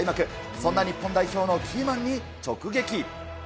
そんな日本代表のキーマンに直撃。